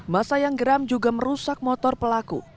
masa yang geram juga merusak motor pelaku